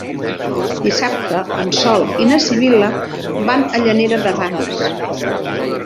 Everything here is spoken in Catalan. Dissabte en Sol i na Sibil·la van a Llanera de Ranes.